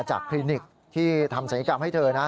จากคลินิกที่ทำศักดิ์กรรมให้เธอนะ